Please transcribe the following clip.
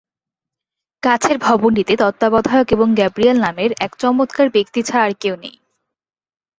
কাছের ভবনটিতে তত্ত্বাবধায়ক ও গ্যাব্রিয়েল নামের এক চমৎকার ব্যক্তি ছাড়া আর কেউ নেই।